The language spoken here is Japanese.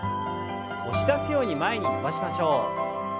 押し出すように前に伸ばしましょう。